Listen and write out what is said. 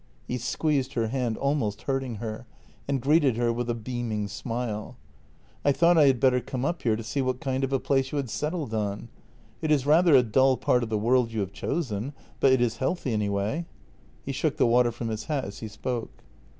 He squeezed her hand, almost hurting her, and greeted her with a beaming smile: " I thought I had better come up here to see what kind of a place you had settled on. It is rather a dull part of the world you have chosen, but it is healthy anyway." He shook the water from his hat as he spoke.